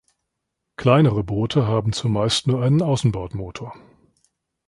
Kleinere Boote haben zumeist nur einen Außenbordmotor.